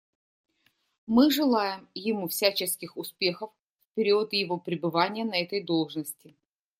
Мы желаем ему всяческих успехов в период его пребывания на этой должности.